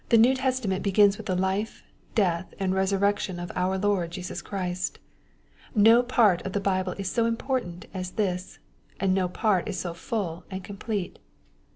New Testament begins with the life, death, and resurrection of our Lord Jesus Christ. No part of the Bible is so important as this, and no part is so full and complete.